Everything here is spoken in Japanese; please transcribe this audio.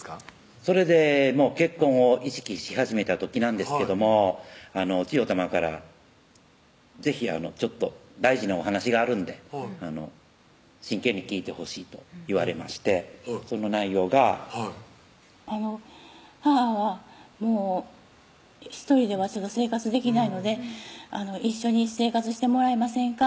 それで結婚を意識し始めた時なんですけどもちよたまから「是非大事なお話があるんで真剣に聞いてほしい」と言われましてその内容がはい「母はもう１人では生活できないので一緒に生活してもらえませんか？